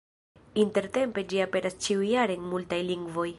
Intertempe ĝi aperas ĉiujare en multaj lingvoj.